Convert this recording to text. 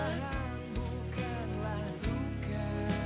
bisa bukanlah duka